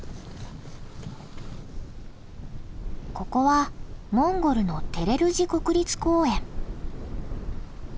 ここはモンゴルのテレルジ国立公園。